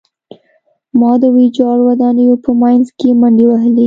ما د ویجاړو ودانیو په منځ کې منډې وهلې